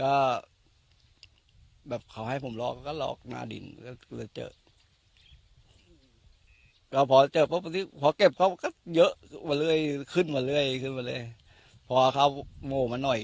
ก็แบบขอให้ผมลองก็ลองมาดินแล้วเจอก็พอเจอเพราะพอเก็บเขาก็เยอะมาเรื่อยขึ้นมาเรื่อยขึ้นมาเรื่อยพอเขาโมมันหน่อย